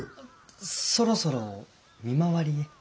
そろそろ見回りへ。